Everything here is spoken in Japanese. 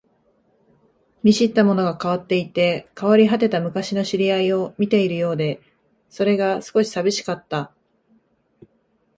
見知ったものが変わっていて、変わり果てた昔の知り合いを見ているようで、それが少し寂しかった